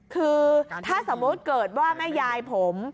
คือถ้าสมมุติเกิดว่าแม่ยายผม